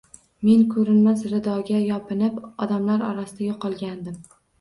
Men ko`rinmas ridoga yopinib, odamlar orasidan yo`qolgandim